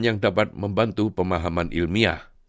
yang dapat membantu pemahaman ilmiah